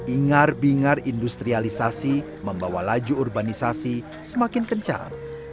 ingar bingar industrialisasi membawa laju urbanisasi semakin kencang